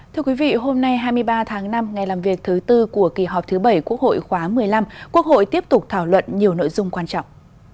thưa quý vị hôm nay hai mươi ba tháng năm ngày làm việc thứ tư của kỳ họp thứ bảy quốc hội khóa một mươi năm quốc hội tiếp tục thảo luận nhiều nội dung quan trọng